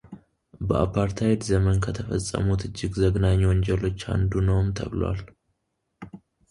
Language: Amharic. በአፓርታይድ ዘመን ከተፈጸሙት እጅግ ዘግናኝ ወንጀሎች አንዱ ነውም ተብሏል።